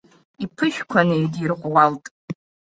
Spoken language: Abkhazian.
Иԥышәқәа неидирӷәӷәалт.